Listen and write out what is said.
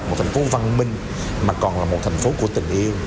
một thành phố văn minh mà còn là một thành phố của tình yêu